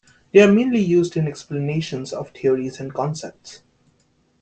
They are mainly used in explanations of theories and concepts.